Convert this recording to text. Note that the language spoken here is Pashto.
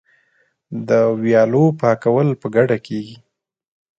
د ویالو پاکول په ګډه کیږي.